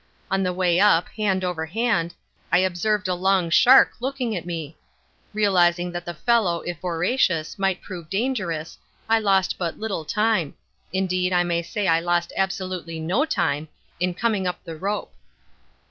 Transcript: On the way up, hand over hand, I observed a long shark looking at me. Realizing that the fellow if voracious might prove dangerous, I lost but little time indeed, I may say I lost absolutely no time in coming up the rope.